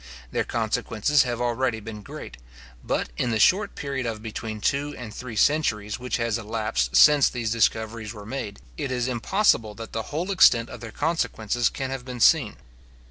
Their consequences have already been great; but, in the short period of between two and three centuries which has elapsed since these discoveries were made, it is impossible that the whole extent of their consequences can have been seen.